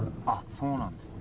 そうなんですね。